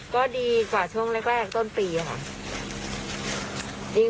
ก็ดีกว่าช่วงแรกต้นปีค่ะ